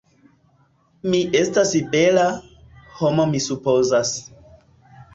Mi estas bela... homo mi supozas.